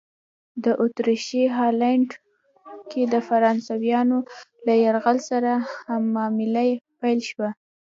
د اتریشي هالنډ کې د فرانسویانو له یرغل سره هممهاله پیل شوه.